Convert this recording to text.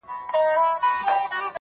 ژوند له زحمته نه پیاوړی کېږي.